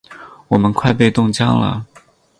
我们快被冻僵了！